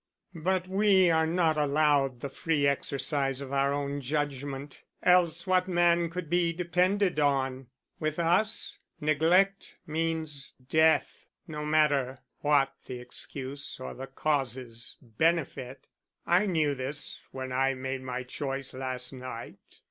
But we are not allowed the free exercise of our own judgment, else what man could be depended on? With us, neglect means death, no matter what the excuse or the Cause's benefit. I knew this when I made my choice last night.